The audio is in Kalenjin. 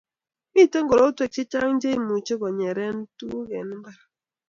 Miten korotwek che chang ce much konyere tukuk eng mbar